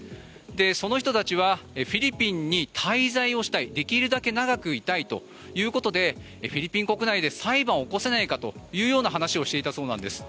その人たちはフィリピンに滞在をしたいできるだけ長くいたいということでフィリピン国内で裁判を起こせないかという話をしていたそうなんです。